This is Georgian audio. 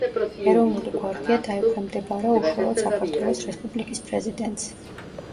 ეროვნული გვარდია დაექვემდებარა უშუალოდ საქართველოს რესპუბლიკის პრეზიდენტს.